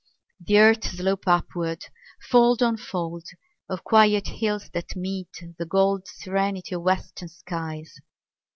The earth slopes upward, fold on fold Of quiet hills that meet the gold Serenity of western skies.